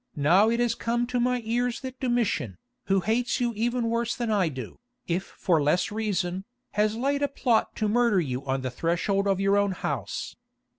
Now it has come to my ears that Domitian, who hates you even worse than I do, if for less reason, has laid a plot to murder you on the threshold of your own house.